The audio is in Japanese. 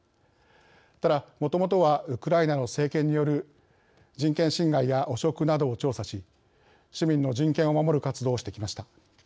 ただ、もともとはウクライナの政権による人権侵害や汚職などを調査し市民の人権を守る活動をしてきました。